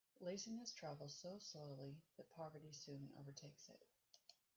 Laziness travels so slowly that poverty soon overtakes it.